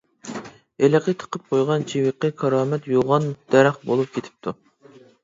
ھېلىقى تىقىپ قويغان چىۋىقى كارامەت يوغان دەرەخ بولۇپ كېتىپتۇ.